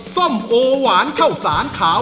ส้มโอหวานข้าวสารขาว